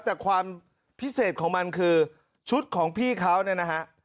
แต่ความพิเศษของมันคือชุดของพี่เขาเนี่ยนะฮะ